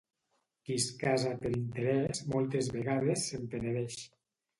Qui es casa per interès moltes vegades se'n penedeix.